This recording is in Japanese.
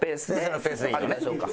始めましょうか。